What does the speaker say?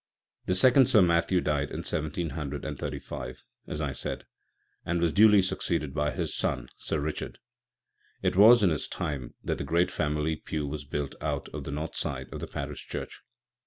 The second Sir Matthew died in 1735, as I said, and was duly succeeded by his son, Sir Richard. It was in his time that the great family pew was built out on the north side of the parish church.